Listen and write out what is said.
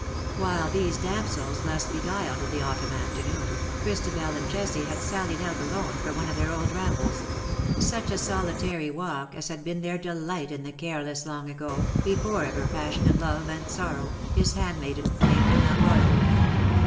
While these damsels thus beguiled the autumn afternoon, Christabel and Jessie had sallied out alone for one of their old rambles ; such a solitary walk as had been their delight in the careless long ago, before ever passionate love, and sorrow, his handmaiden, came to Mount Royal.